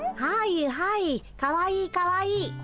はいはいかわいいかわいい。